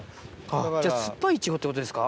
じゃあ酸っぱいイチゴってことですか？